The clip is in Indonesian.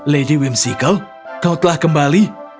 lady whimsical kau telah kembali